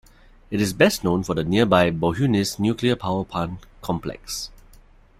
It is best known for the nearby Bohunice Nuclear Power Plant complex.